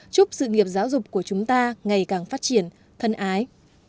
chúc sự nghiệp giáo dục của chúng ta ngày càng phát triển thân ái